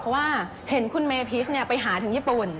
เพราะว่าเห็นคุณเมพิชไปหาถึงญี่ปุ่น